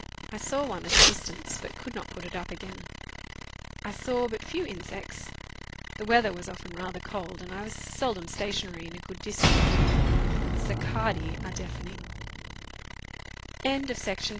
I saw one at a distance, but could not put it up again. I saw but few insects. The weather was often rather cold, and I was seldom stationary in a good district.